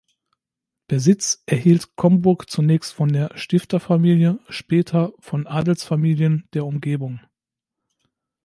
Besitz erhielt Comburg zunächst von der Stifterfamilie, später von Adelsfamilien der Umgebung.